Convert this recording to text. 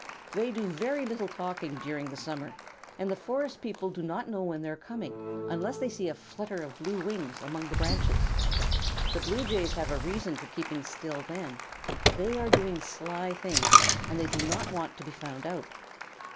They do very little talking during the summer, and the forest people do not know when they are coming, unless they see a flutter of blue wings among the branches. The Blue Jays have a reason for keeping still then. They are doing sly things, and they do not want to be found out.